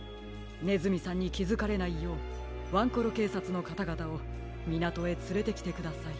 ねずみさんにきづかれないようワンコロけいさつのかたがたをみなとへつれてきてください。